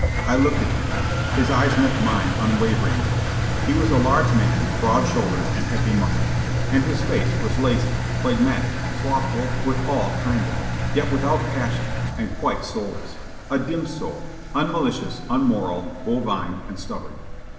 I looked at him. His eyes met mine unwaveringly. He was a large man, broad shouldered and heavy muscled; and his face was lazy, phlegmatic, slothful, withal kindly, yet without passion, and quite soulless a dim soul, unmalicious, unmoral, bovine, and stubborn.